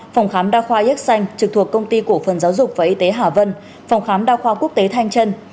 phòng khám đa khoa yếc xanh trực thuộc công ty cổ phần giáo dục và y tế hà vân phòng khám đa khoa quốc tế thanh trân